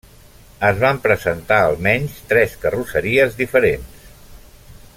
Es van presentar almenys tres carrosseries diferents.